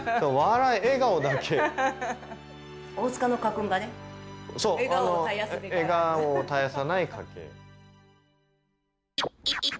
「笑顔を絶やさない家庭」。